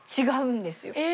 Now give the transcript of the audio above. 違うんですよ。